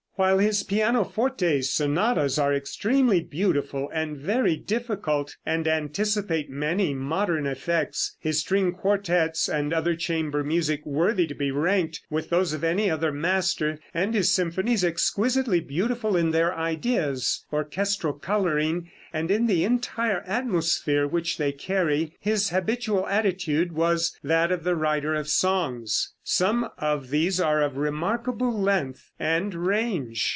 While his pianoforte sonatas are extremely beautiful and very difficult, and anticipate many modern effects; his string quartettes, and other chamber music, worthy to be ranked with those of any other master; and his symphonies exquisitely beautiful in their ideas, orchestral coloring and the entire atmosphere which they carry his habitual attitude was that of the writer of songs. Some of these are of remarkable length and range.